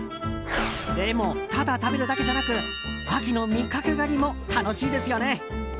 でも、ただ食べるだけじゃなく秋の味覚狩りも楽しいですよね。